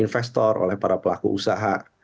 investor oleh para pelaku usaha